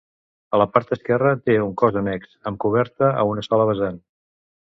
A la part esquerra té un cos annex, amb coberta a una sola vessant.